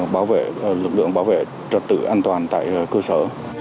bảo vệ trật tự an toàn tại cơ sở